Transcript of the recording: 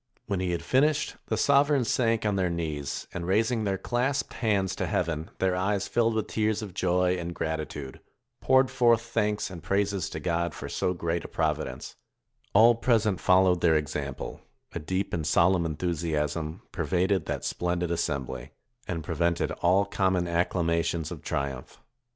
When he had finished, the sovereigns sank on their knees, and raising their clasped hands to heaven, their eyes filled with tears of joy and gratitude, poured forth thanks and praises to God for so great a providence; all present followed their example; a deep and solemn enthusiasm pervaded that splendid assembly, and pre vented all common acclamations of triumph.